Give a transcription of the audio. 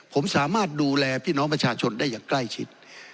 ผมสามารถดูแลพี่น้องประชาชนได้อย่างใกล้ชิด